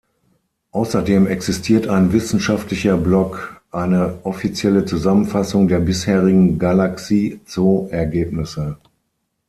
Außerdem existiert ein „wissenschaftlicher Blog“, eine offizielle Zusammenfassung der bisherigen Galaxy-Zoo-Ergebnisse.